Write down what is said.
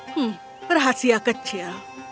hmm rahasia kecil